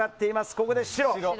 ここで白。